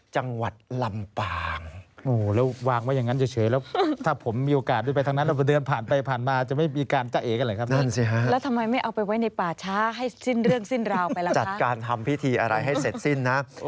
จัดการทำพิธีอะไรให้เสร็จสิ้น